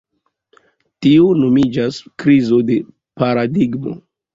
Tio nomiĝas "krizo de paradigmo".